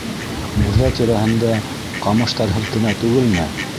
Мурҙа тирәһендә ҡамыштар һелкенә түгелме?